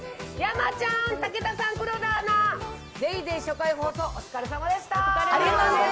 山ちゃん、武田さん、黒田アナ、『ＤａｙＤａｙ．』初回放送、お疲れさまでした。